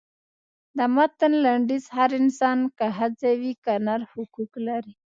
د متن لنډیز هر انسان که ښځه وي که نر حقوق لري.